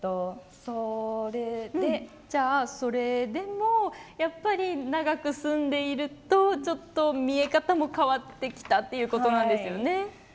それでも長く住んでいるとちょっと見え方も変わってきたということなんですよね。